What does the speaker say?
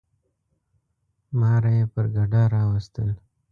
ماره یي پر ګډا راوستل.